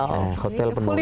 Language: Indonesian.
oh hotel penuh ini